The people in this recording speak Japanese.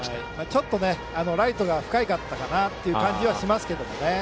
ちょっとライトが深かったかなという感じはしますけどね。